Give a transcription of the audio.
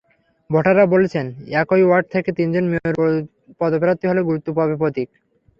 ভোটাররা বলছেন, একই ওয়ার্ড থেকে তিনজন মেয়র পদপ্রার্থী হলেও গুরুত্ব পাবে প্রতীক।